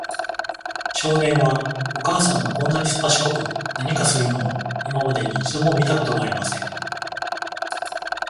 少年は、お母さんがこんなにすばしこく何かするのを、今までに一度も見たことがありません。